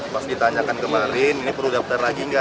pas ditanyakan kemarin ini perlu daftar lagi nggak